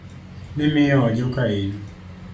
Nimiyo ojuka in.